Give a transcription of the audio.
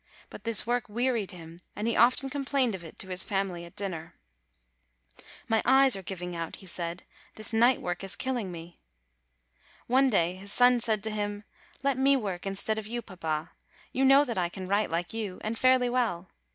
But this work wearied him, and he often complained of it to his family at dinner. "My eyes are giving out," he said; "this night work is killing me." One day his son said to him, "Let me work instead of you, papa ; you know that I can write like you, and fairly well."